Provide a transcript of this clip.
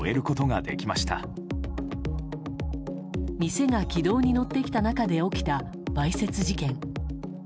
店が軌道に乗ってきた中で起きた、わいせつ事件。